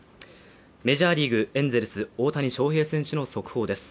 メジャーリーグエンゼルス大谷翔平選手の速報です。